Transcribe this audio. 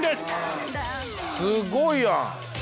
すごいやん！